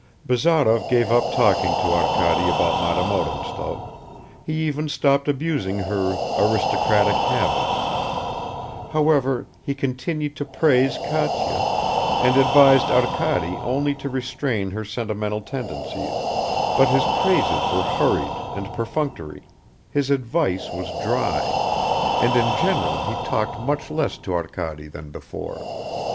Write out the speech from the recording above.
Bazarov gave up talking to Arkady about Madame Odintsov, he even stopped abusing her "aristocratic habits"; however, he continued to praise Katya, and advised Arkady only to restrain her sentimental tendencies, but his praises were hurried and perfunctory, his advice was dry, and in general he talked much less to Arkady than before